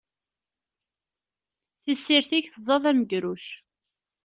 Tissirt-ik tẓad amegruc.